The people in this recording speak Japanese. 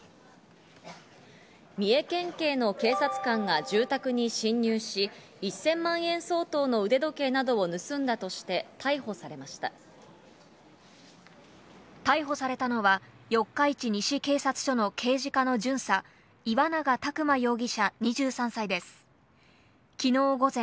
三重県警の警察官が住宅に侵入し、１０００万円相当の腕時計などを盗んだとして逮捕逮捕されたのは四日市西警察署の刑事課の巡査、岩永拓馬容疑者、２３歳です。